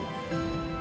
bagi yang tahu